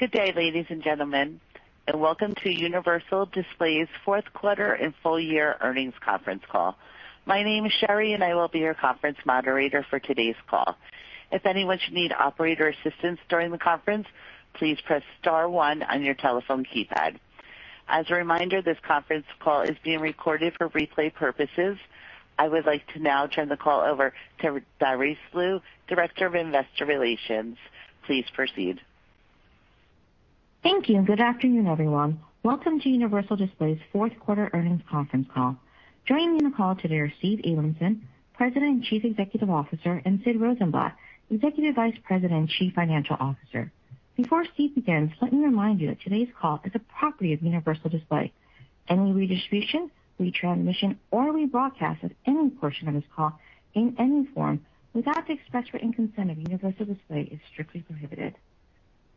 Good day, ladies and gentlemen, and welcome to Universal Display's fourth quarter and full-year earnings conference call. My name is Sherry, and I will be your conference moderator for today's call. If anyone should need operator assistance during the conference, please press star one on your telephone keypad. As a reminder, this conference call is being recorded for replay purposes. I would like to now turn the call over to Darice Liu, Director of Investor Relations. Please proceed. Thank you. Good afternoon, everyone. Welcome to Universal Display's fourth quarter earnings conference call. Joining the call today are Steve Abramson, President and Chief Executive Officer, and Sid Rosenblatt, Executive Vice President and Chief Financial Officer. Before Steve begins, let me remind you that today's call is a property of Universal Display. Any redistribution, retransmission, or rebroadcast of any portion of this call in any form without the express written consent of Universal Display is strictly prohibited.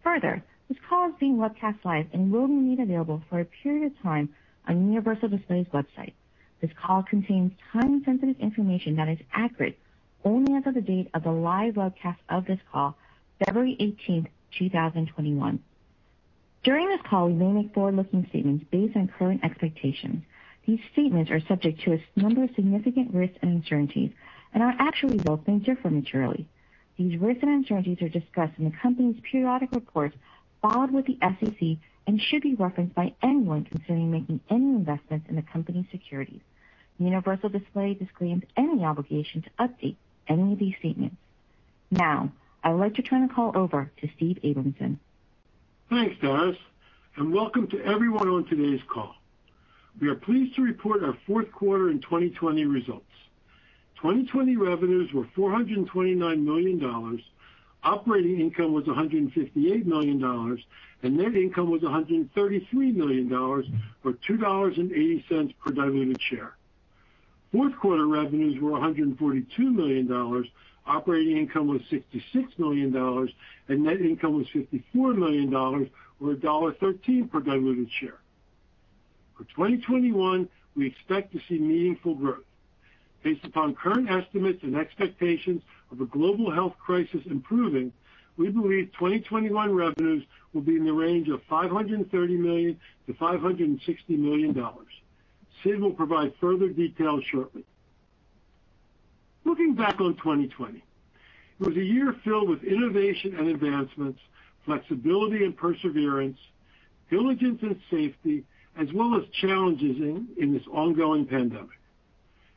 Further, this call is being webcast live and will be made available for a period of time on Universal Display's website. This call contains time-sensitive information that is accurate only as of the date of the live webcast of this call, February 18th, 2021. During this call, we may make forward-looking statements based on current expectations. These statements are subject to a number of significant risks and uncertainties and are actually both major for materiality. These risks and uncertainties are discussed in the company's periodic reports filed with the SEC and should be referenced by anyone considering making any investments in the company's securities. Universal Display disclaims any obligation to update any of these statements. Now, I would like to turn the call over to Steve Abramson. Thanks, Darice, and welcome to everyone on today's call. We are pleased to report our fourth quarter and 2020 results. 2020 revenues were $429 million, operating income was $158 million, and net income was $133 million or $2.80 per diluted share. Fourth quarter revenues were $142 million, operating income was $66 million, and net income was $54 million or $1.13 per diluted share. For 2021, we expect to see meaningful growth. Based upon current estimates and expectations of a global health crisis improving, we believe 2021 revenues will be in the range of $530 million-$560 million. Sid will provide further details shortly. Looking back on 2020, it was a year filled with innovation and advancements, flexibility and perseverance, diligence and safety, as well as challenges in this ongoing pandemic.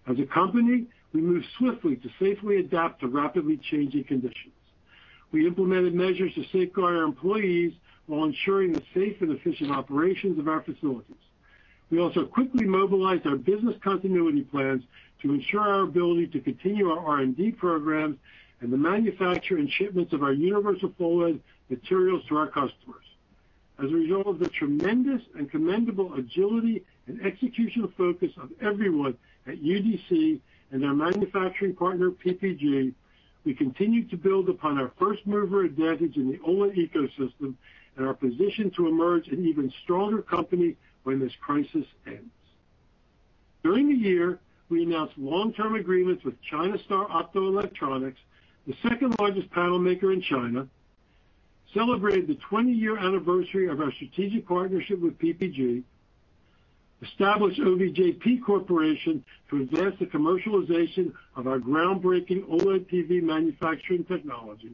As a company, we moved swiftly to safely adapt to rapidly changing conditions. We implemented measures to safeguard our employees while ensuring the safe and efficient operations of our facilities. We also quickly mobilized our business continuity plans to ensure our ability to continue our R&D programs and the manufacture and shipments of our UniversalPHOLED materials to our customers. As a result of the tremendous and commendable agility and execution focus of everyone at UDC and their manufacturing partner, PPG, we continue to build upon our first-mover advantage in the OLED ecosystem and our position to emerge an even stronger company when this crisis ends. During the year, we announced long-term agreements with China Star Optoelectronics, the second largest panel maker in China, celebrated the 20-year anniversary of our strategic partnership with PPG, established OVJP Corporation to advance the commercialization of our groundbreaking OLED TV manufacturing technology,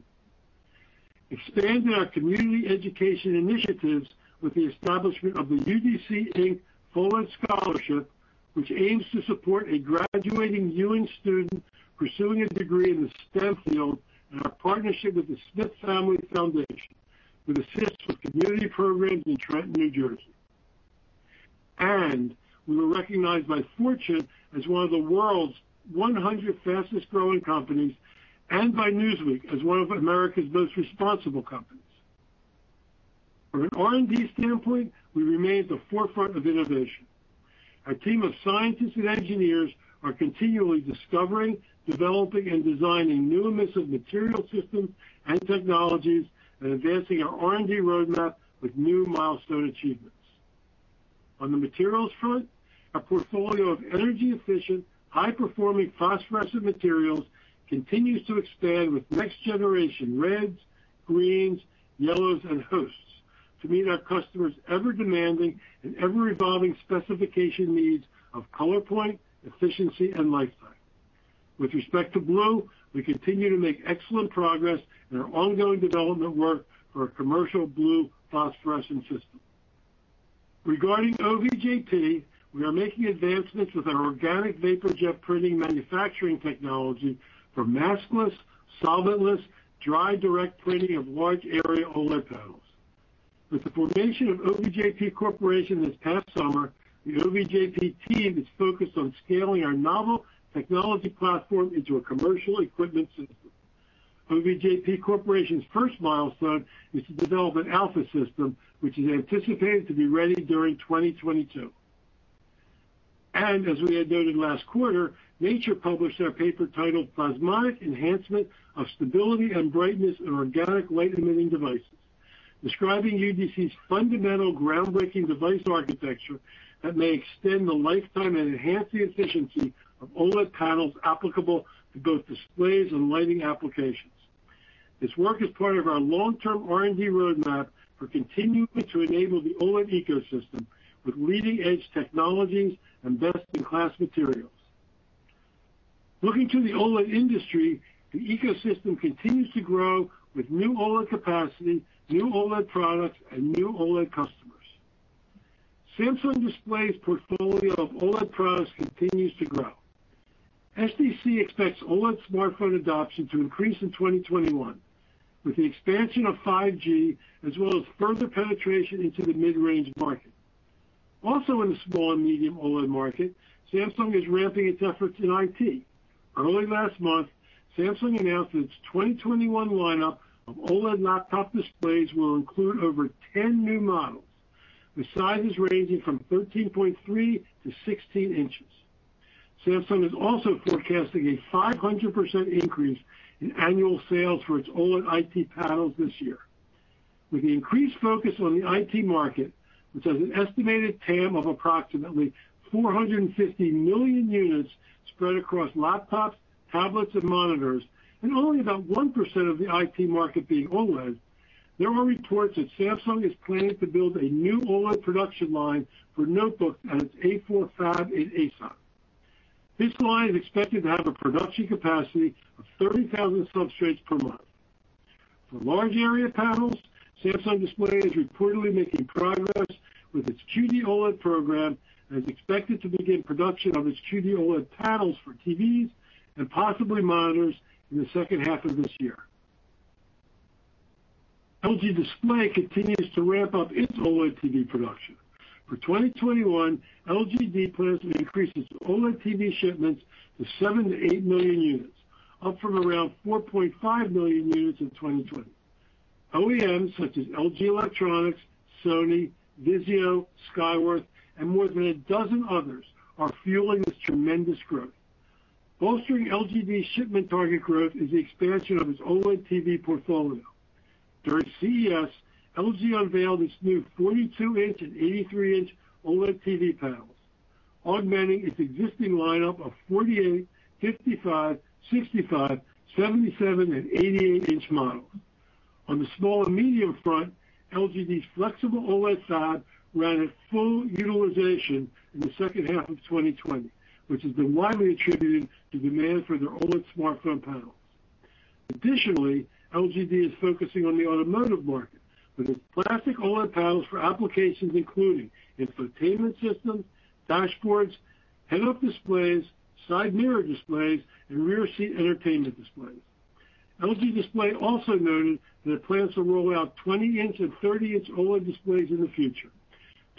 expanded our community education initiatives with the establishment of the UDC Inc. PHOLED Scholarship, which aims to support a graduating U.N. student pursuing a degree in the STEM field, and our partnership with the Smith Family Foundation, with assistance from community programs in Trenton, New Jersey, and we were recognized by Fortune as one of the world's 100 fastest-growing companies and by Newsweek as one of America's most responsible companies. From an R&D standpoint, we remain at the forefront of innovation. Our team of scientists and engineers are continually discovering, developing, and designing new and emissive material systems and technologies and advancing our R&D roadmap with new milestone achievements. On the materials front, our portfolio of energy-efficient, high-performing phosphorescent materials continues to expand with next-generation reds, greens, yellows, and hosts to meet our customers' ever-demanding and ever-evolving specification needs of color point, efficiency, and lifetime. With respect to blue, we continue to make excellent progress in our ongoing development work for a commercial blue phosphorescence system. Regarding OVJP, we are making advancements with our organic vapor jet printing manufacturing technology for maskless, solventless, dry direct printing of large area OLED panels. With the formation of OVJP Corporation this past summer, the OVJP team is focused on scaling our novel technology platform into a commercial equipment system. OVJP Corporation's first milestone is to develop an alpha system, which is anticipated to be ready during 2022, and as we had noted last quarter, Nature published our paper titled "Plasmonic Enhancement of Stability and Brightness in Organic Light-Emitting Devices," describing UDC's fundamental groundbreaking device architecture that may extend the lifetime and enhance the efficiency of OLED panels applicable to both displays and lighting applications. This work is part of our long-term R&D roadmap for continuing to enable the OLED ecosystem with leading-edge technologies and best-in-class materials. Looking to the OLED industry, the ecosystem continues to grow with new OLED capacity, new OLED products, and new OLED customers. Samsung Display's portfolio of OLED products continues to grow. SDC expects OLED smartphone adoption to increase in 2021 with the expansion of 5G as well as further penetration into the mid-range market. Also, in the small and medium OLED market, Samsung is ramping its efforts in IT. Early last month, Samsung announced its 2021 lineup of OLED laptop displays will include over 10 new models, with sizes ranging from 13.3 to 16 inches. Samsung is also forecasting a 500% increase in annual sales for its OLED IT panels this year. With the increased focus on the IT market, which has an estimated TAM of approximately 450 million units spread across laptops, tablets, and monitors, and only about 1% of the IT market being OLED, there are reports that Samsung is planning to build a new OLED production line for notebooks at its A4 fab in Asan. This line is expected to have a production capacity of 30,000 substrates per month. For large area panels, Samsung Display is reportedly making progress with its QD-OLED program and is expected to begin production of its QD-OLED panels for TVs and possibly monitors in the second half of this year. LG Display continues to ramp up its OLED TV production. For 2021, LG plans to increase its OLED TV shipments to 7-8 million units, up from around 4.5 million units in 2020. OEMs such as LG Electronics, Sony, Vizio, Skyworth, and more than a dozen others are fueling this tremendous growth. Bolstering LG's shipment target growth is the expansion of its OLED TV portfolio. During CES, LG unveiled its new 42-inch and 83-inch OLED TV panels, augmenting its existing lineup of 48, 55, 65, 77, and 88-inch models. On the small and medium front, LG's flexible OLED fab ran at full utilization in the second half of 2020, which has been widely attributed to demand for their OLED smartphone panels. Additionally, LG is focusing on the automotive market with its plastic OLED panels for applications including infotainment systems, dashboards, head-up displays, side mirror displays, and rear-seat entertainment displays. LG Display also noted that it plans to roll out 20-inch and 30-inch OLED displays in the future,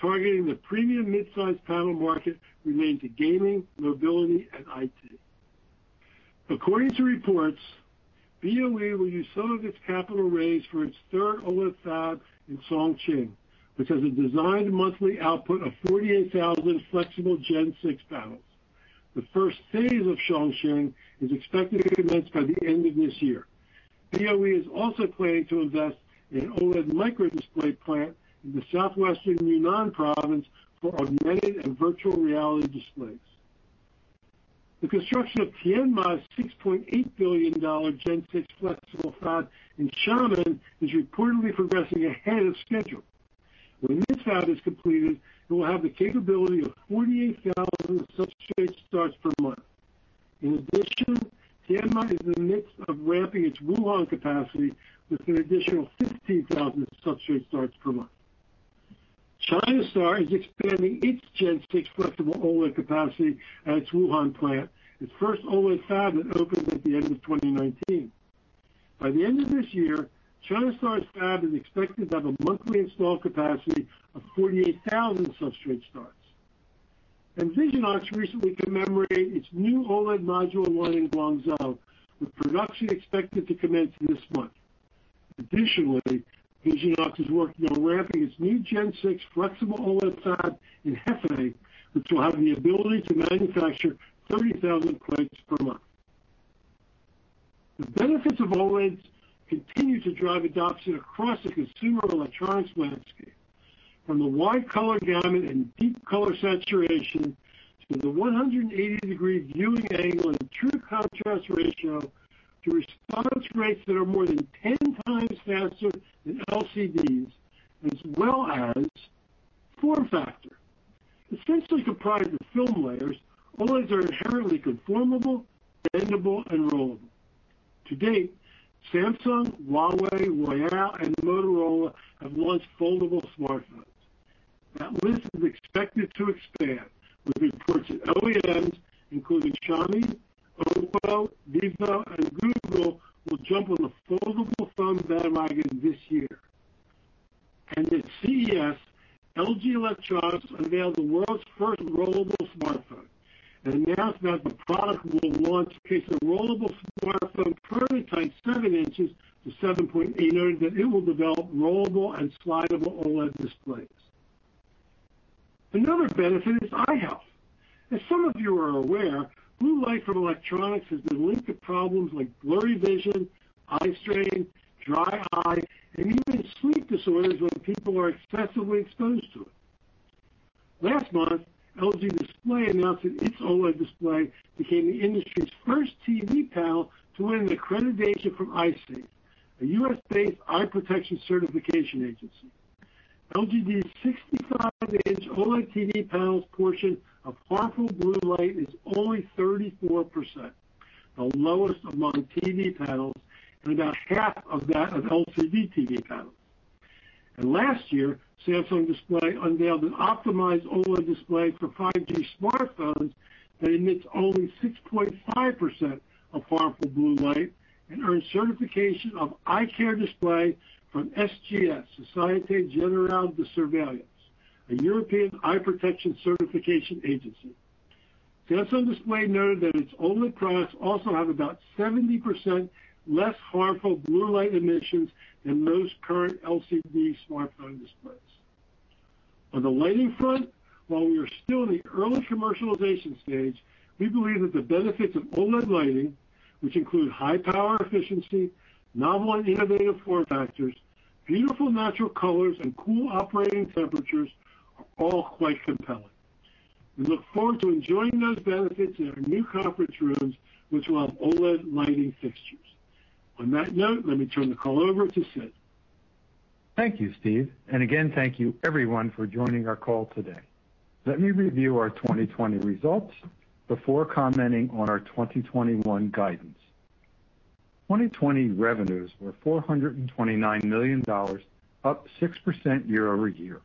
targeting the premium midsize panel market related to gaming, mobility, and IT. According to reports, BOE will use some of its capital raised for its third OLED fab in Chongqing, which has a designed monthly output of 48,000 flexible Gen 6 panels. The first phase of Chongqing is expected to commence by the end of this year. BOE is also planning to invest in an OLED micro-display plant in the southwestern Yunnan province for augmented and virtual reality displays. The construction of Tianma's $6.8 billion Gen 6 flexible fab in Xiamen is reportedly progressing ahead of schedule. When this fab is completed, it will have the capability of 48,000 substrate starts per month. In addition, Tianma is in the midst of ramping its Wuhan capacity with an additional 15,000 substrate starts per month. China Star is expanding its Gen 6 flexible OLED capacity at its Wuhan plant, its first OLED fab that opened at the end of 2019. By the end of this year, China Star's fab is expected to have a monthly installed capacity of 48,000 substrate starts. And Visionox recently commemorated its new OLED module run in Guangzhou, with production expected to commence this month. Additionally, Visionox is working on ramping its new Gen 6 flexible OLED fab in Hefei, which will have the ability to manufacture 30,000 substrates per month. The benefits of OLEDs continue to drive adoption across the consumer electronics landscape, from the wide color gamut and deep color saturation to the 180-degree viewing angle and true contrast ratio to response rates that are more than 10 times faster than LCDs, as well as form factor. Essentially comprised of film layers, OLEDs are inherently conformable, bendable, and rollable. To date, Samsung, Huawei, Royole, and Motorola have launched foldable smartphones. That list is expected to expand, with reports that OEMs, including Xiaomi, Oppo, Vivo, and Google, will jump on the foldable phone bandwagon this year, and at CES, LG Electronics unveiled the world's first rollable smartphone and announced that the product will launch a case of rollable smartphone prototype, 7 inches to 7.8 inches, and it will develop rollable and slidable OLED displays. Another benefit is eye health. As some of you are aware, blue light from electronics has been linked to problems like blurry vision, eye strain, dry eye, and even sleep disorders when people are excessively exposed to it. Last month, LG Display announced that its OLED display became the industry's first TV panel to win an accreditation from Eyesafe, a U.S.-based eye protection certification agency. LG's 65-inch OLED TV panels' portion of harmful blue light is only 34%, the lowest among TV panels and about half of that of LCD TV panels. Last year, Samsung Display unveiled an optimized OLED display for 5G smartphones that emits only 6.5% of harmful blue light and earned certification of Eye Care Display from SGS, Société Générale de Surveillance, a European eye protection certification agency. Samsung Display noted that its OLED products also have about 70% less harmful blue light emissions than most current LCD smartphone displays. On the lighting front, while we are still in the early commercialization stage, we believe that the benefits of OLED lighting, which include high power efficiency, novel and innovative form factors, beautiful natural colors, and cool operating temperatures, are all quite compelling. We look forward to enjoying those benefits in our new conference rooms, which will have OLED lighting fixtures. On that note, let me turn the call over to Sid. Thank you, Steve. And again, thank you everyone for joining our call today. Let me review our 2020 results before commenting on our 2021 guidance. 2020 revenues were $429 million, up 6% year over year.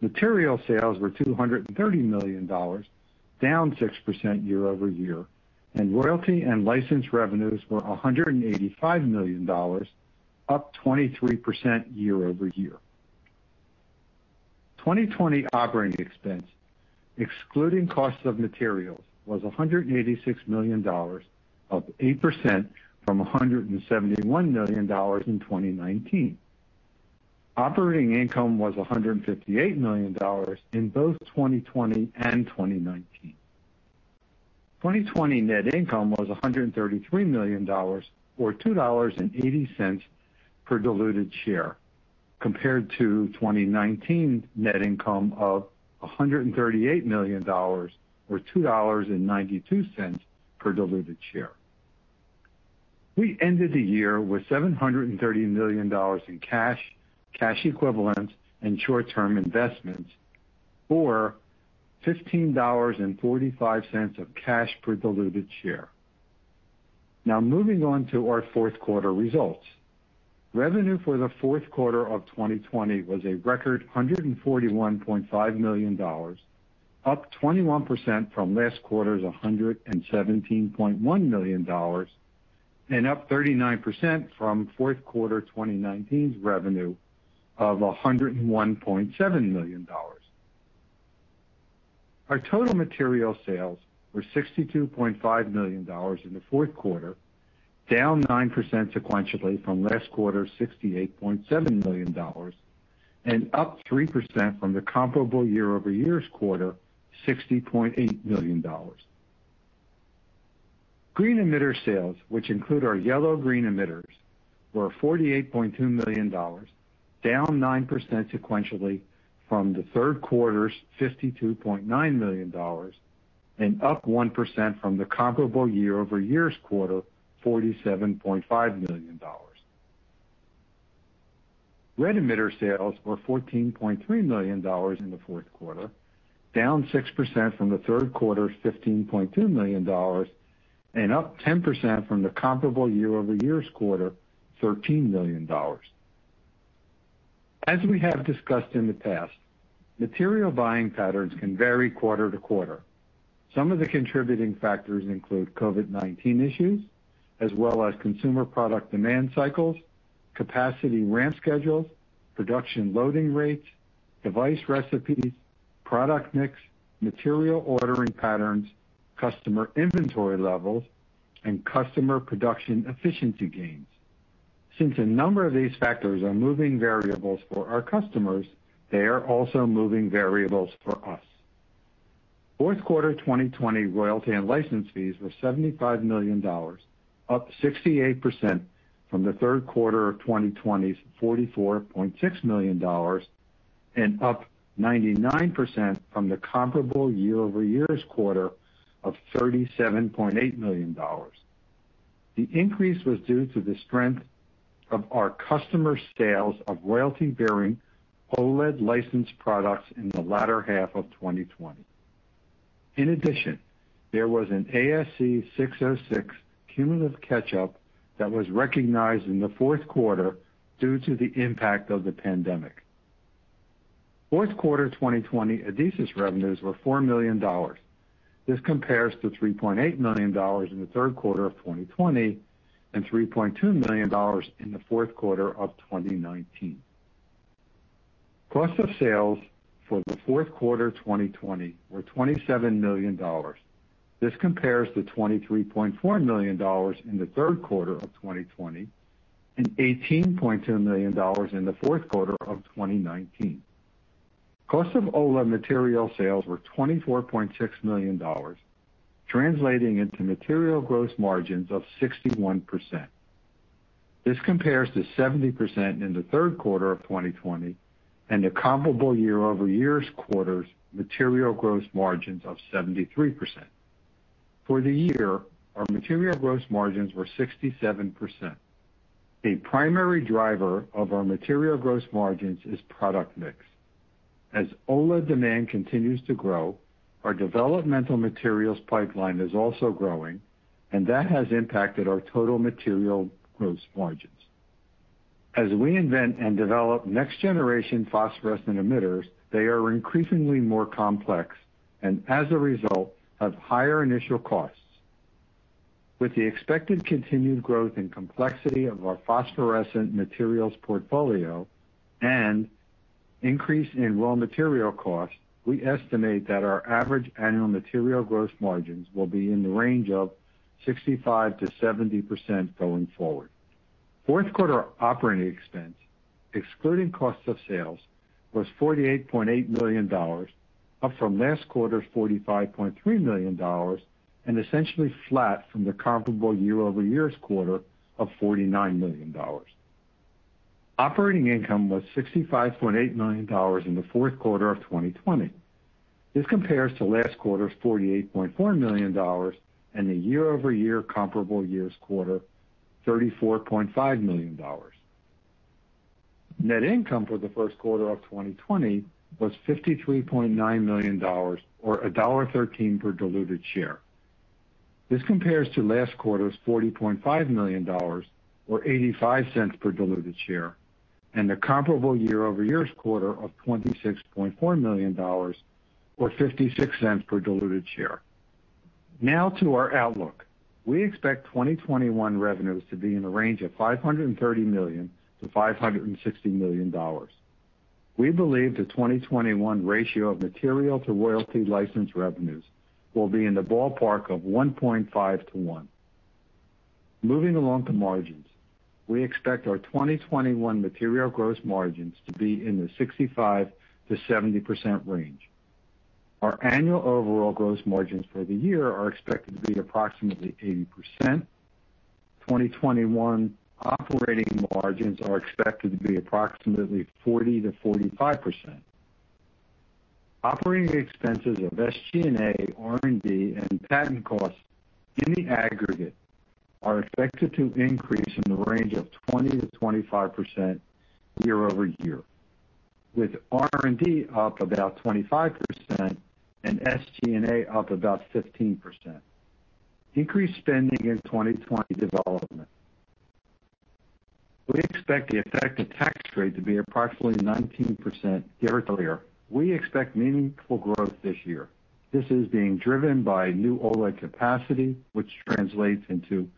Material sales were $230 million, down 6% year over year, and royalty and license revenues were $185 million, up 23% year over year. 2020 operating expense, excluding costs of materials, was $186 million, up 8% from $171 million in 2019. Operating income was $158 million in both 2020 and 2019. 2020 net income was $133 million, or $2.80 per diluted share, compared to 2019 net income of $138 million, or $2.92 per diluted share. We ended the year with $730 million in cash, cash equivalents, and short-term investments, or $15.45 of cash per diluted share. Now, moving on to our fourth quarter results. Revenue for the fourth quarter of 2020 was a record $141.5 million, up 21% from last quarter's $117.1 million, and up 39% from fourth quarter 2019's revenue of $101.7 million. Our total material sales were $62.5 million in the fourth quarter, down 9% sequentially from last quarter's $68.7 million, and up 3% from the comparable year-over-year quarter's $60.8 million. Green emitter sales, which include our yellow-green emitters, were $48.2 million, down 9% sequentially from the third quarter's $52.9 million, and up 1% from the comparable year-over-year quarter's $47.5 million. Red emitter sales were $14.3 million in the fourth quarter, down 6% from the third quarter's $15.2 million, and up 10% from the comparable year-over-year quarter's $13 million. As we have discussed in the past, material buying patterns can vary quarter-to-quarter. Some of the contributing factors include COVID-19 issues, as well as consumer product demand cycles, capacity ramp schedules, production loading rates, device recipes, product mix, material ordering patterns, customer inventory levels, and customer production efficiency gains. Since a number of these factors are moving variables for our customers, they are also moving variables for us. Fourth quarter 2020 royalty and license fees were $75 million, up 68% from the third quarter of 2020's $44.6 million, and up 99% from the comparable year-over-year quarter of $37.8 million. The increase was due to the strength of our customer sales of royalty-bearing OLED license products in the latter half of 2020. In addition, there was an ASC 606 cumulative catch-up that was recognized in the fourth quarter due to the impact of the pandemic. Fourth quarter 2020 Adesis revenues were $4 million. This compares to $3.8 million in the third quarter of 2020 and $3.2 million in the fourth quarter of 2019. Cost of sales for the fourth quarter 2020 were $27 million. This compares to $23.4 million in the third quarter of 2020 and $18.2 million in the fourth quarter of 2019. Cost of OLED material sales were $24.6 million, translating into material gross margins of 61%. This compares to 70% in the third quarter of 2020 and the comparable year-over-year quarter's material gross margins of 73%. For the year, our material gross margins were 67%. A primary driver of our material gross margins is product mix. As OLED demand continues to grow, our developmental materials pipeline is also growing, and that has impacted our total material gross margins. As we invent and develop next-generation phosphorescent emitters, they are increasingly more complex and, as a result, have higher initial costs. With the expected continued growth in complexity of our phosphorescent materials portfolio and increase in raw material costs, we estimate that our average annual material gross margins will be in the range of 65%-70% going forward. Fourth quarter operating expense, excluding costs of sales, was $48.8 million, up from last quarter's $45.3 million, and essentially flat from the comparable year-over-year quarter of $49 million. Operating income was $65.8 million in the fourth quarter of 2020. This compares to last quarter's $48.4 million and the year-over-year comparable year's quarter's $34.5 million. Net income for the fourth quarter of 2020 was $53.9 million, or $1.13 per diluted share. This compares to last quarter's $40.5 million, or $0.85 per diluted share, and the comparable year-over-year quarter of $26.4 million, or $0.56 per diluted share. Now to our outlook. We expect 2021 revenues to be in the range of $530 million-$560 million. We believe the 2021 ratio of material to royalty license revenues will be in the ballpark of 1.5 to 1. Moving along to margins, we expect our 2021 material gross margins to be in the 65%-70% range. Our annual overall gross margins for the year are expected to be approximately 80%. 2021 operating margins are expected to be approximately 40%-45%. Operating expenses of SG&A, R&D, and patent costs in the aggregate are expected to increase in the range of 20%-25% year-over-year, with R&D up about 25% and SG&A up about 15%. Increased spending in 2020 development. We expect the effective tax rate to be approximately 19% year. Earlier, we expect meaningful growth this year. This is being driven by new OLED capacity, which translates into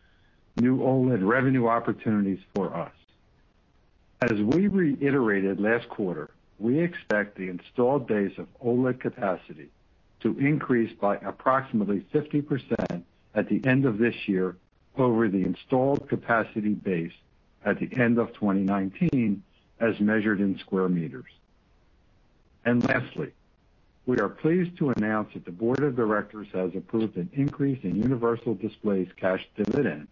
new OLED revenue opportunities for us. As we reiterated last quarter, we expect the installed base of OLED capacity to increase by approximately 50% at the end of this year over the installed capacity base at the end of 2019, as measured in square meters. And lastly, we are pleased to announce that the Board of Directors has approved an increase in Universal Display's cash dividend.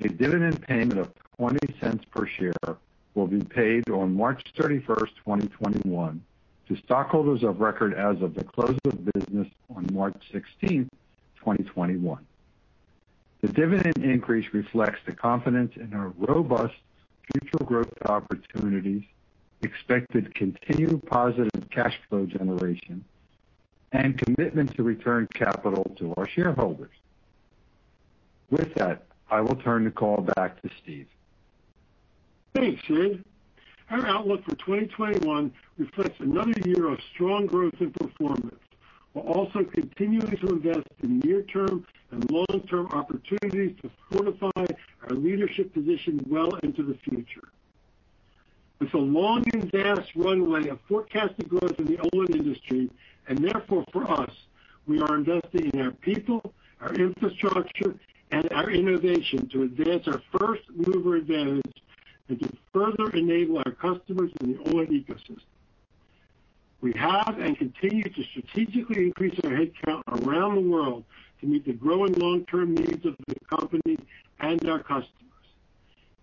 A dividend payment of $0.20 per share will be paid on March 31, 2021, to stockholders of record as of the close of business on March 16, 2021. The dividend increase reflects the confidence in our robust future growth opportunities, expected continued positive cash flow generation, and commitment to return capital to our shareholders. With that, I will turn the call back to Steve. Thanks, Sid. Our outlook for 2021 reflects another year of strong growth and performance. We're also continuing to invest in near-term and long-term opportunities to fortify our leadership position well into the future. With a long and vast runway of forecasted growth in the OLED industry, and therefore for us, we are investing in our people, our infrastructure, and our innovation to advance our first mover advantage and to further enable our customers in the OLED ecosystem. We have and continue to strategically increase our headcount around the world to meet the growing long-term needs of the company and our customers.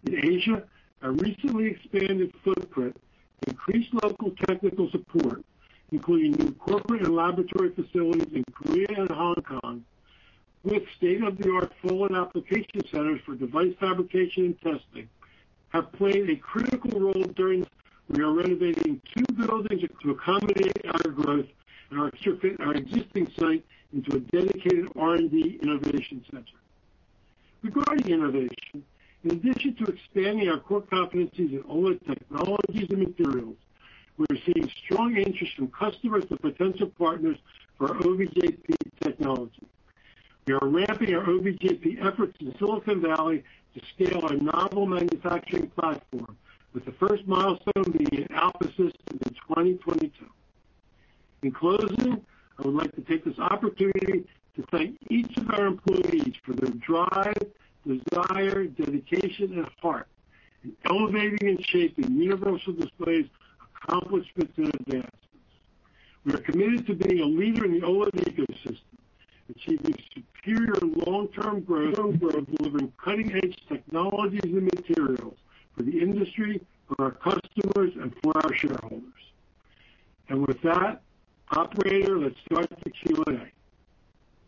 In Asia, our recently expanded footprint increased local technical support, including new corporate and laboratory facilities in Korea and Hong Kong, with state-of-the-art PHOLED application centers for device fabrication and testing, have played a critical role during. We are renovating two buildings to accommodate our growth and our existing site into a dedicated R&D innovation center. Regarding innovation, in addition to expanding our core competencies in OLED technologies and materials, we are seeing strong interest from customers and potential partners for OVJP technology. We are ramping our OVJP efforts in Silicon Valley to scale our novel manufacturing platform, with the first milestone being at Alpha system in 2022. In closing, I would like to take this opportunity to thank each of our employees for their drive, desire, dedication, and heart in elevating and shaping Universal Display's accomplishments and advancements. We are committed to being a leader in the OLED ecosystem, achieving superior long-term growth delivering cutting-edge technologies and materials for the industry, for our customers, and for our shareholders. And with that, operator, let's start the Q&A.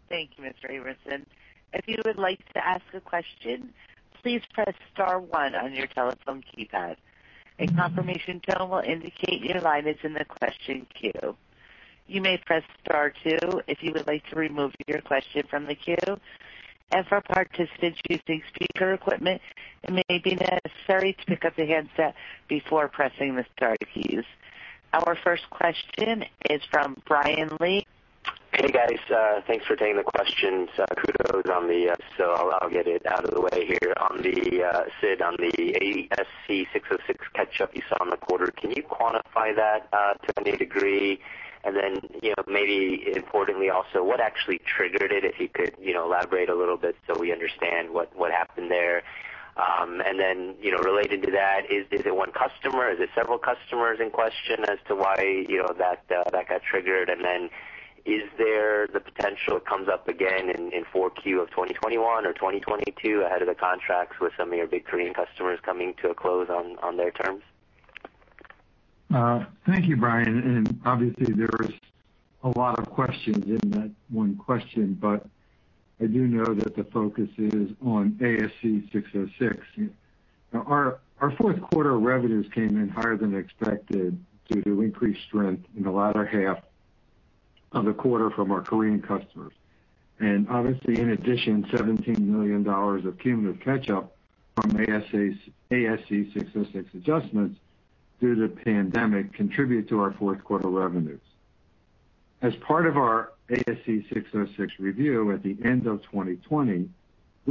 Thank you, Mr. Abramson. If you would like to ask a question, please press star one on your telephone keypad. A confirmation tone will indicate your line is in the question queue. You may press star two if you would like to remove your question from the queue. For participants using speaker equipment, it may be necessary to pick up the handset before pressing the star keys. Our first question is from Brian Lee. Hey, guys. Thanks for taking the question. Kudos on the. So I'll get it out of the way here on the Sid on the ASC 606 catch-up you saw in the quarter. Can you quantify that to any degree? And then maybe importantly also, what actually triggered it, if you could elaborate a little bit so we understand what happened there? And then related to that, is it one customer? Is it several customers in question as to why that got triggered? And then is there the potential it comes up again in 4Q of 2021 or 2022 ahead of the contracts with some of your big Korean customers coming to a close on their terms? Thank you, Brian. And obviously, there's a lot of questions in that one question, but I do know that the focus is on ASC 606. Our fourth quarter revenues came in higher than expected due to increased strength in the latter half of the quarter from our Korean customers. And obviously, in addition, $17 million of cumulative catch-up from ASC 606 adjustments due to the pandemic contributed to our fourth quarter revenues. As part of our ASC 606 review at the end of 2020,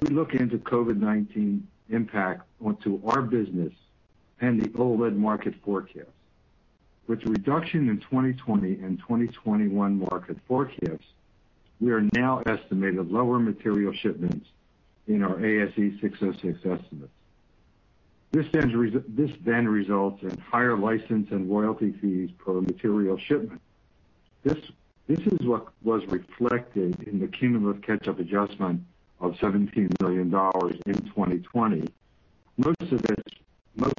we look into COVID-19 impact onto our business and the OLED market forecast. With the reduction in 2020 and 2021 market forecasts, we are now estimating lower material shipments in our ASC 606 estimates. This then results in higher license and royalty fees per material shipment. This is what was reflected in the cumulative catch-up adjustment of $17 million in 2020. Most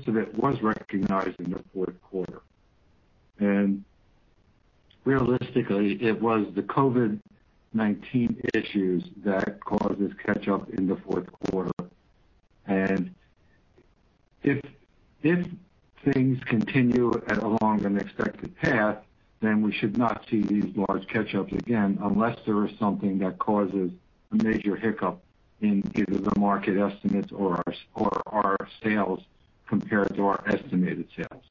of it was recognized in the fourth quarter. And realistically, it was the COVID-19 issues that caused this catch-up in the fourth quarter. And if things continue along an expected path, then we should not see these large catch-ups again unless there is something that causes a major hiccup in either the market estimates or our sales compared to our estimated sales.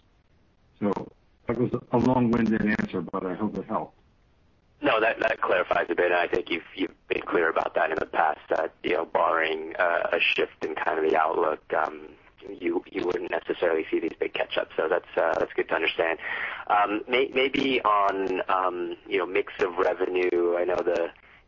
So that was a long-winded answer, but I hope it helped. No, that clarifies a bit. And I think you've been clear about that in the past, that barring a shift in kind of the outlook, you wouldn't necessarily see these big catch-ups. So that's good to understand. Maybe on mix of revenue, I know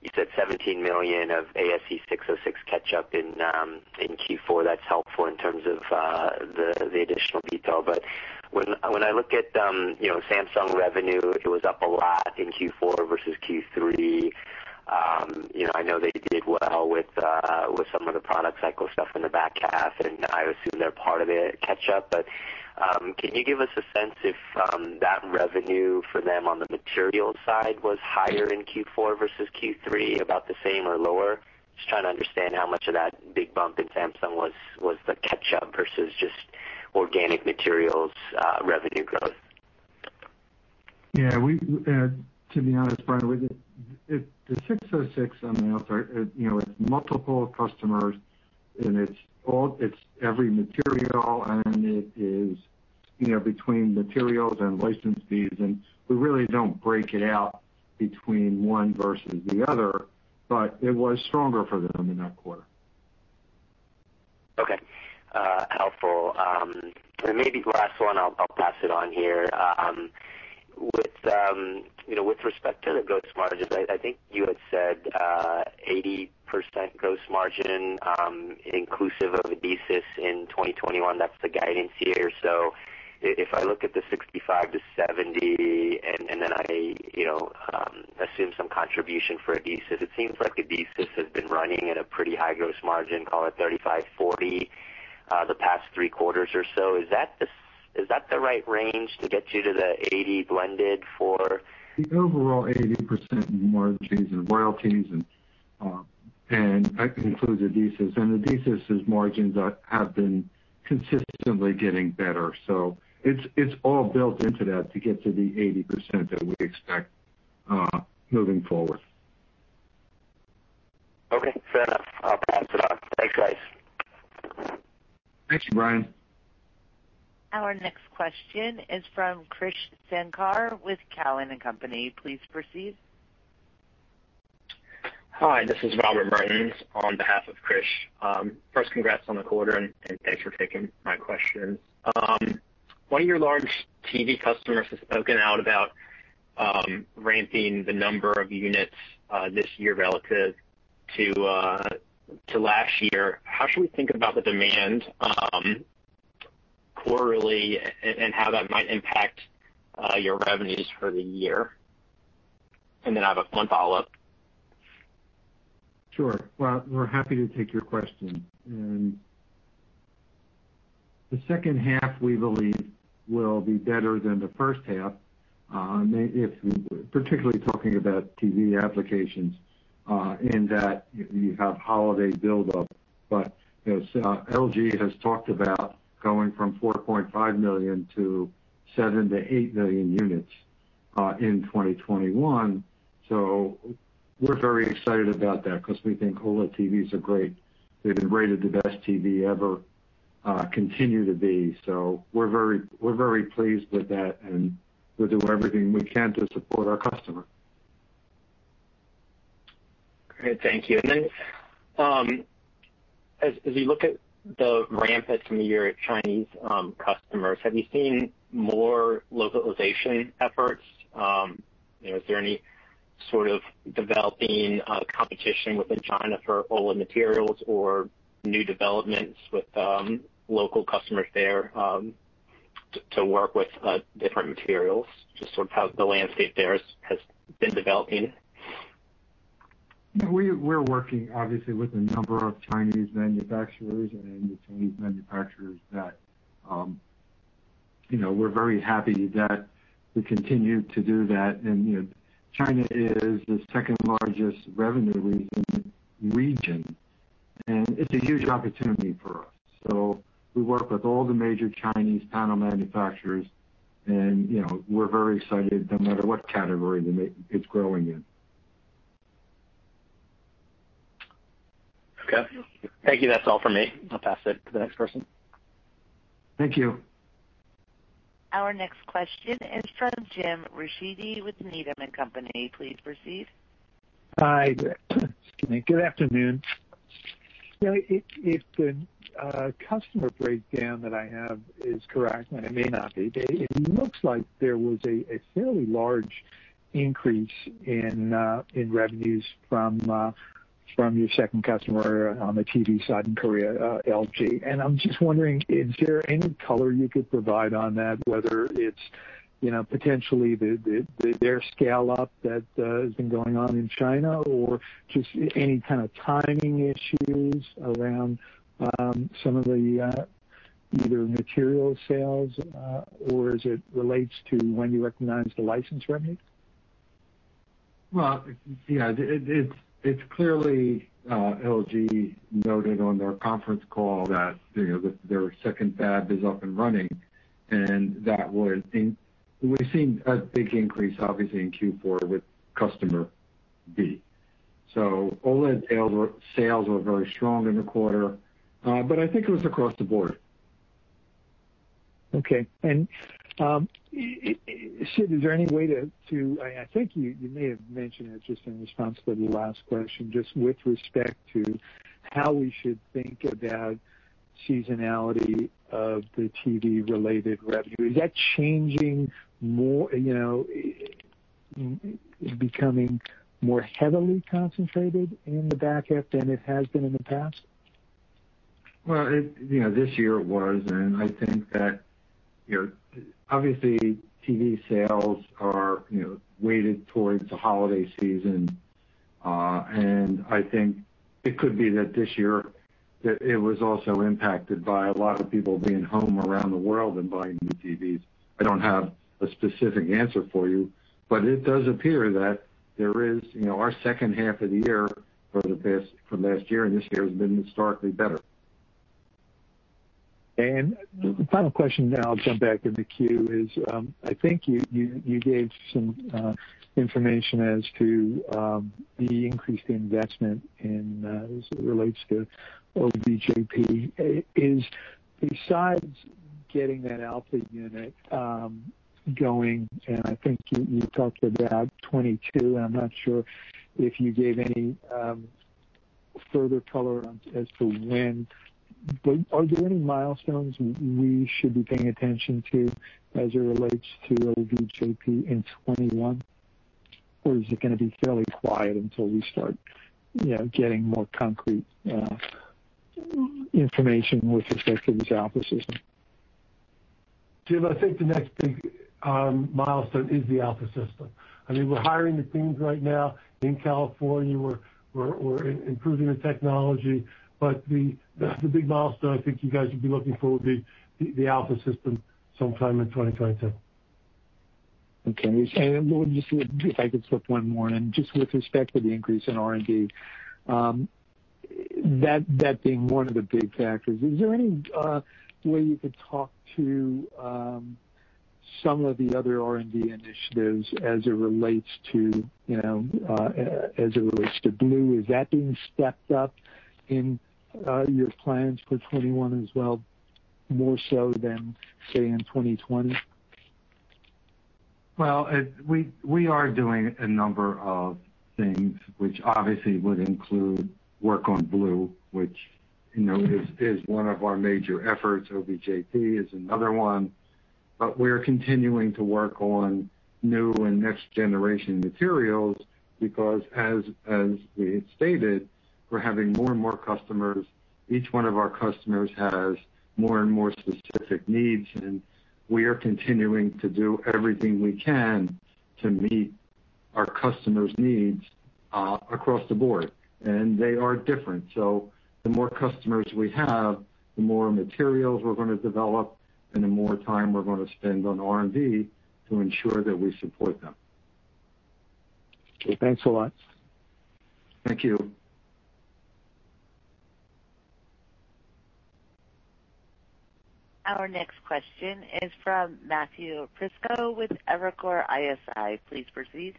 you said $17 million of ASC 606 catch-up in Q4. That's helpful in terms of the additional detail. But when I look at Samsung revenue, it was up a lot in Q4 versus Q3. I know they did well with some of the product cycle stuff in the back half, and I assume they're part of the catch-up. But can you give us a sense if that revenue for them on the materials side was higher in Q4 versus Q3, about the same or lower? Just trying to understand how much of that big bump in Samsung was the catch-up versus just organic materials revenue growth. Yeah. To be honest, Brian, the ASC 606 on the outside, it's multiple customers, and it's every material, and it is between materials and license fees. And we really don't break it out between one versus the other, but it was stronger for them in that quarter. Okay. Helpful. And maybe the last one, I'll pass it on here. With respect to the gross margins, I think you had said 80% gross margin inclusive of Adesis in 2021. That's the guidance here. So if I look at the 65%-70%, and then I assume some contribution for Adesis, it seems like Adesis has been running at a pretty high gross margin, call it 35%-40%, the past three quarters or so. Is that the right range to get you to the 80% blended for? The overall 80% margins and royalties and that includes Adesis. Adesis's margins have been consistently getting better. So it's all built into that to get to the 80% that we expect moving forward. Okay. Fair enough. I'll pass it on. Thanks, guys. Thank you, Brian. Our next question is from Krish Sankar with Cowen & Company. Please proceed. Hi. This is Robert Mertens on behalf of Krish. First, congrats on the quarter, and thanks for taking my questions. One of your large TV customers has spoken out about ramping the number of units this year relative to last year. How should we think about the demand quarterly and how that might impact your revenues for the year? And then I have one follow-up. Sure. Well, we're happy to take your question. The second half, we believe, will be better than the first half, particularly talking about TV applications in that you have holiday buildup. But LG has talked about going from 4.5 million to seven to eight million units in 2021. So we're very excited about that because we think OLED TVs are great. They've been rated the best TV ever, continue to be. So we're very pleased with that, and we'll do everything we can to support our customer. Great. Thank you. And then as you look at the ramp-up from your Chinese customers, have you seen more localization efforts? Is there any sort of developing competition within China for OLED materials or new developments with local customers there to work with different materials, just sort of how the landscape there has been developing? We're working, obviously, with a number of Chinese manufacturers, and we're very happy that we continue to do that. And China is the second largest revenue region, and it's a huge opportunity for us. So we work with all the major Chinese panel manufacturers, and we're very excited no matter what category it's growing in. Okay. Thank you. That's all for me. I'll pass it to the next person. Thank you. Our next question is from Jim Ricchiuti with Needham & Company. Please proceed. Hi. Excuse me. Good afternoon. If the customer breakdown that I have is correct, and it may not be, it looks like there was a fairly large increase in revenues from your second customer on the TV side in Korea, LG. And I'm just wondering, is there any color you could provide on that, whether it's potentially their scale-up that has been going on in China or just any kind of timing issues around some of the either material sales, or is it relates to when you recognize the license revenue? Well, yeah. It's clearly LG noted on their conference call that their second fab is up and running, and that would we've seen a big increase, obviously, in Q4 with customer B. So OLED sales were very strong in the quarter, but I think it was across the board. Okay. And, Sid, is there any way to, I think you may have mentioned it just in response to the last question, just with respect to how we should think about seasonality of the TV-related revenue. Is that changing more, becoming more heavily concentrated in the back half than it has been in the past? Well, this year it was, and I think that obviously TV sales are weighted towards the holiday season. And I think it could be that this year it was also impacted by a lot of people being home around the world and buying new TVs. I don't have a specific answer for you, but it does appear that there is our second half of the year from last year, and this year has been historically better. Final question, then I'll jump back in the queue, is I think you gave some information as to the increased investment as it relates to OVJP. Besides getting that Alpha unit going, and I think you talked about 2022, and I'm not sure if you gave any further color as to when, but are there any milestones we should be paying attention to as it relates to OVJP in 2021, or is it going to be fairly quiet until we start getting more concrete information with respect to this Alpha system? Jim, I think the next big milestone is the Alpha system. I mean, we're hiring the teams right now in California. We're improving the technology. But the big milestone I think you guys would be looking for would be the Alpha system sometime in 2022. Okay. And just if I could slip one more, and just with respect to the increase in R&D, that being one of the big factors, is there any way you could talk to some of the other R&D initiatives as it relates to Blue? Is that being stepped up in your plans for 2021 as well, more so than, say, in 2020? Well, we are doing a number of things, which obviously would include work on Blue, which is one of our major efforts. OVJP is another one. But we're continuing to work on new and next-generation materials because, as we stated, we're having more and more customers. Each one of our customers has more and more specific needs, and we are continuing to do everything we can to meet our customers' needs across the board, and they are different, so the more customers we have, the more materials we're going to develop, and the more time we're going to spend on R&D to ensure that we support them. Okay. Thanks a lot. Thank you. Our next question is from Matthew Prisco with Evercore ISI. Please proceed.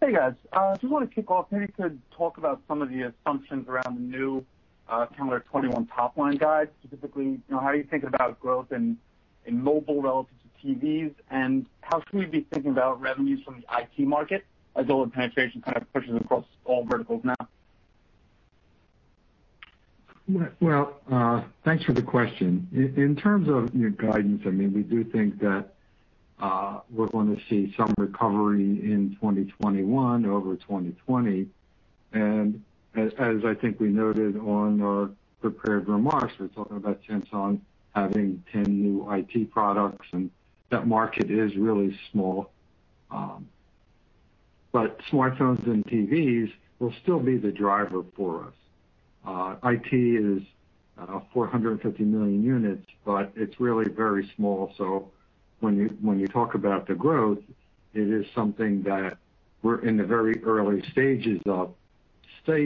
Hey, guys. I just want to kick off. Maybe you could talk about some of the assumptions around the new calendar '21 top-line guide, specifically how you're thinking about growth in mobile relative to TVs, and how should we be thinking about revenues from the IT market as OLED penetration kind of pushes across all verticals now? Well, thanks for the question. In terms of your guidance, I mean, we do think that we're going to see some recovery in 2021 over 2020. And as I think we noted on our prepared remarks, we're talking about Samsung having 10 new IT products, and that market is really small. But smartphones and TVs will still be the driver for us. IT is 450 million units, but it's really very small. So when you talk about the growth, it is something that we're in the very early stages of, but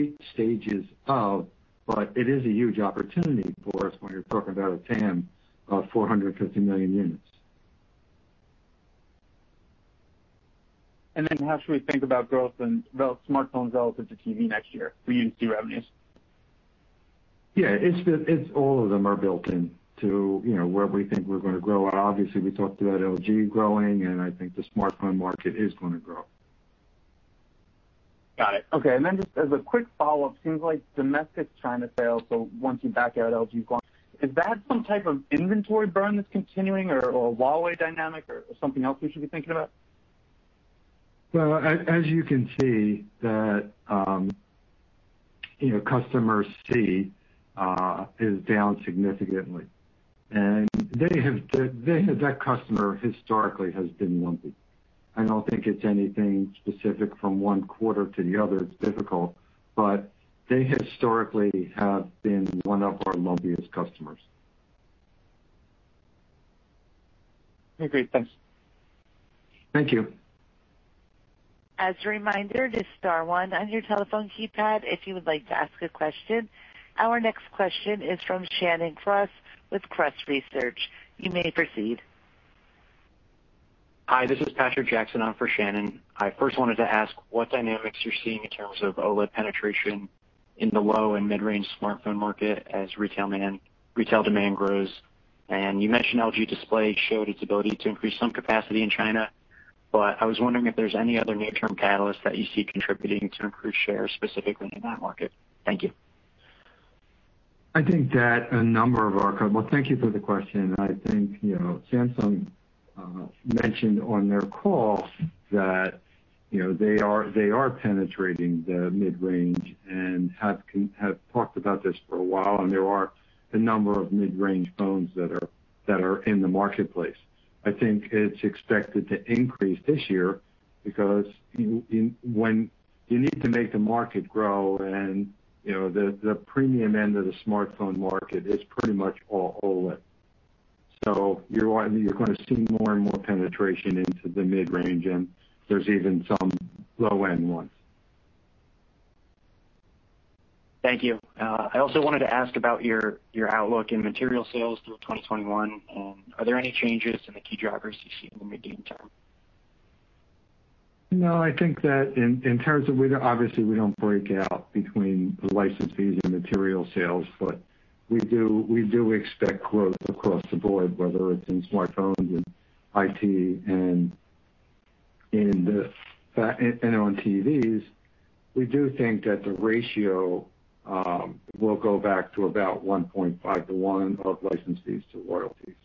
it is a huge opportunity for us when you're talking about a TAM of 450 million units. And then how should we think about growth and smartphones relative to TV next year for UDC revenues? Yeah. All of them are built into where we think we're going to grow. Obviously, we talked about LG growing, and I think the smartphone market is going to grow. Got it. Okay. And then just as a quick follow-up, it seems like domestic China sales, so once you back out LG's gone, is that some type of inventory burn that's continuing or a Huawei dynamic or something else we should be thinking about? Well, as you can see, that Customer C is down significantly. And that customer historically has been lumpy. I don't think it's anything specific from one quarter to the other. It's difficult, but they historically have been one of our lumpiest customers. Agreed. Thanks. Thank you. As a reminder, press star one on your telephone keypad if you would like to ask a question. Our next question is from Shannon Cross with Cross Research. You may proceed. Hi. This is Patrick Jackson for Shannon. I first wanted to ask what dynamics you're seeing in terms of OLED penetration in the low and mid-range smartphone market as retail demand grows. And you mentioned LG Display showed its ability to increase some capacity in China, but I was wondering if there's any other near-term catalysts that you see contributing to increased shares specifically in that market. Thank you. I think that a number of our, well, thank you for the question. I think Samsung mentioned on their call that they are penetrating the mid-range and have talked about this for a while, and there are a number of mid-range phones that are in the marketplace. I think it's expected to increase this year because when you need to make the market grow, and the premium end of the smartphone market is pretty much all OLED. So you're going to see more and more penetration into the mid-range, and there's even some low-end ones. Thank you. I also wanted to ask about your outlook in material sales through 2021, and are there any changes in the key drivers you see in the medium term? No. I think that in terms, obviously, we don't break out between license fees and material sales, but we do expect growth across the board, whether it's in smartphones and IT and on TVs. We do think that the ratio will go back to about 1.5 to 1 of license fees to royalties.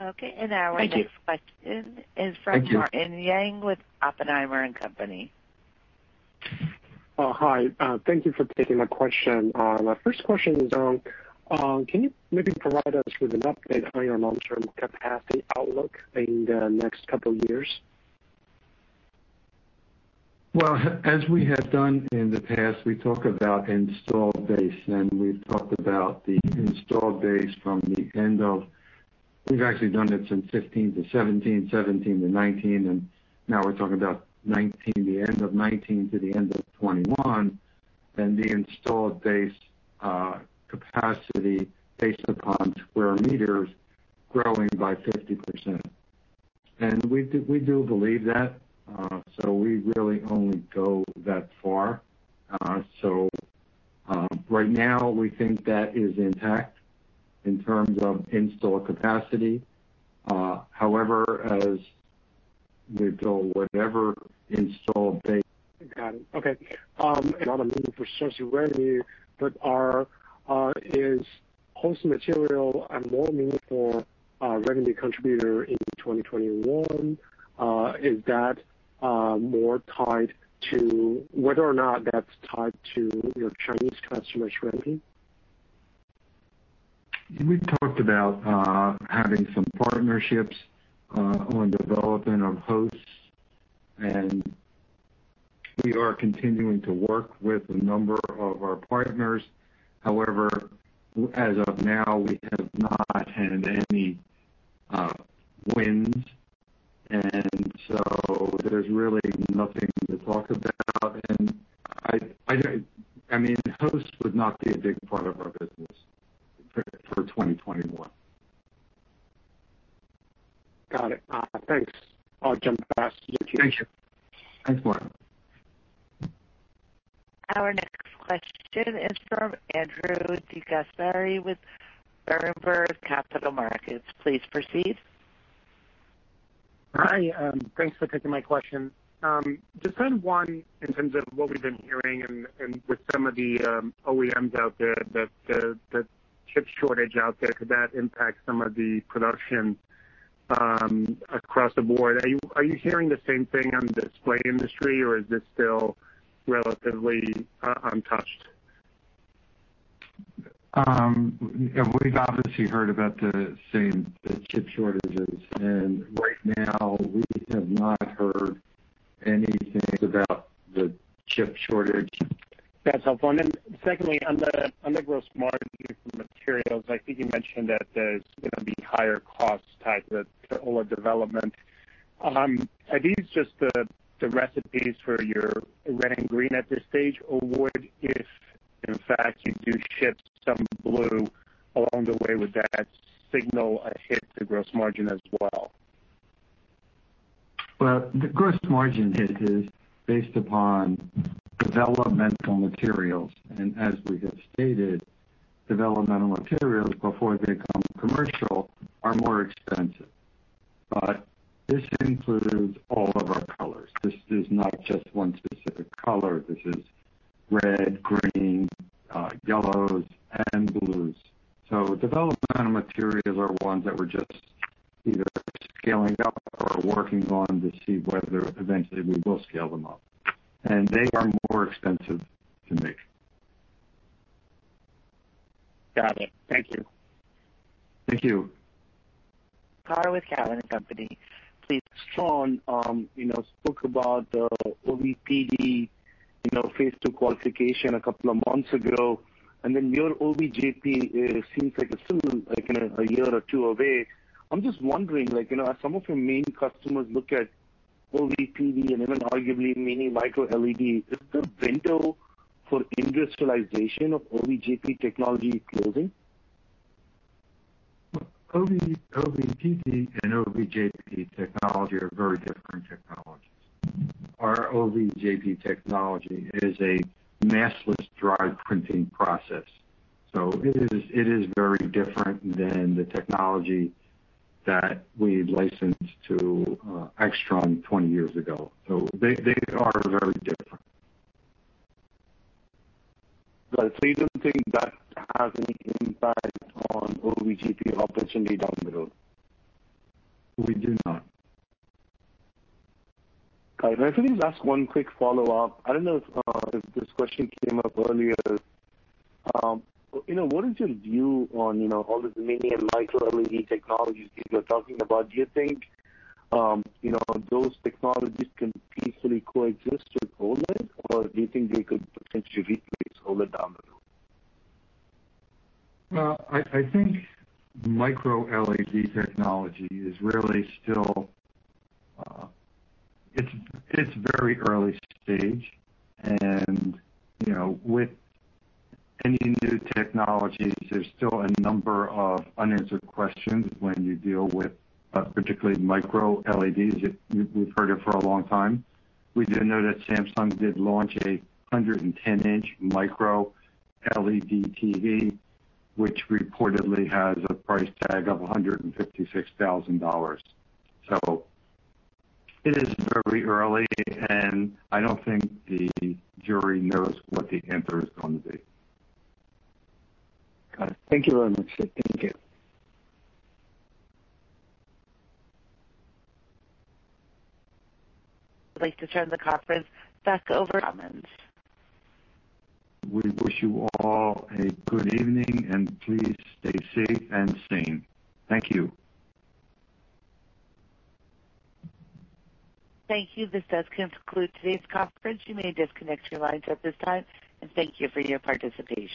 Okay. And our next question is from Martin Yang with Oppenheimer & Company. Hi. Thank you for taking my question. My first question is, can you maybe provide us with an update on your long-term capacity outlook in the next couple of years? As we have done in the past, we talk about installed base, and we've talked about the installed base from the end of 2015 to 2017, 2017 to 2019, and now we're talking about 2019, the end of 2019 to the end of 2021, and the installed base capacity based upon square meters growing by 50%. We do believe that, so we really only go that far. Right now, we think that is intact in terms of installed capacity. However, as we build whatever installed base. Got it. Okay. Not a meaningful source of revenue, but is wholesale material a more meaningful revenue contributor in 2021? Is that more tied to whether or not that's tied to your Chinese customers' revenue? We talked about having some partnerships on development of hosts, and we are continuing to work with a number of our partners. However, as of now, we have not had any wins, and so there's really nothing to talk about. And I mean, hosts would not be a big part of our business for 2021. Got it. Thanks. I'll jump back to you. Thank you. Thanks, Martin. Our next question is from Andrew DeGasperi with Berenberg Capital Markets. Please proceed. Hi. Thanks for taking my question. Just kind of one in terms of what we've been hearing and with some of the OEMs out there, the chip shortage out there, could that impact some of the production across the board? Are you hearing the same thing on the display industry, or is this still relatively untouched? We've obviously heard about the same chip shortages, and right now, we have not heard anything about the chip shortage. That's helpful. And then secondly, on the gross margin for materials, I think you mentioned that there's the higher cost type of OLED development. Are these just the recipes for your red and green at this stage, or would, if in fact you do ship some blue, along the way would that signal a hit to gross margin as well? Well, the gross margin hit is based upon developmental materials. And as we have stated, developmental materials before they become commercial are more expensive. But this includes all of our colors. This is not just one specific color. This is red, green, yellows, and blues. So developmental materials are ones that we're just either scaling up or working on to see whether eventually we will scale them up. And they are more expensive to make. Got it. Thank you. Thank you. Darwin with Cadman & Company. Please. Last one spoke about the OVPD phase two qualification a couple of months ago, and then your OVJP seems like it's still a year or two away. I'm just wondering, as some of your main customers look at OVPD and even arguably mini micro LED, is there a window for industrialization of OVJP technology closing? OVPD and OVJP technology are very different technologies. Our OVJP technology is a maskless dry printing process. So it is very different than the technology that we licensed to AIXTRON 20 years ago. So they are very different. But you don't think that has any impact on OVJP opportunity down the road? We do not. I really just ask one quick follow-up. I don't know if this question came up earlier. What is your view on all the mini and micro LED technologies that you're talking about? Do you think those technologies can peacefully coexist with OLED, or do you think they could potentially replace OLED down the road? I think Micro LED technology is really still—it's very early stage. And with any new technologies, there's still a number of unanswered questions when you deal with particularly Micro LEDs. We've heard it for a long time. We do know that Samsung did launch a 110-inch Micro LED TV, which reportedly has a price tag of $156,000. So it is very early, and I don't think the jury knows what the answer is going to be. Got it. Thank you very much. Thank you. I'd like to turn the conference back over. Comments. We wish you all a good evening, and please stay safe and sane. Thank you. Thank you. This does conclude today's conference. You may disconnect your lines at this time, and thank you for your participation.